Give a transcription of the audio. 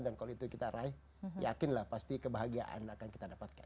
dan kalau itu kita raih yakinlah pasti kebahagiaan akan kita dapatkan